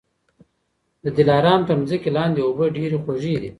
د دلارام تر مځکې لاندي اوبه ډېري خوږې دي